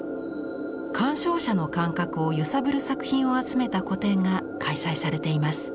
鑑賞者の感覚を揺さぶる作品を集めた個展が開催されています。